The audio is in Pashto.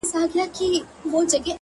زما کار نسته بُتکده کي؛ تر کعبې پوري،